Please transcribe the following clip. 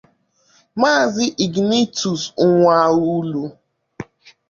Maazị Ignatius Nwawulu